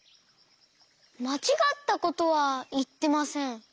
まちがったことはいってません。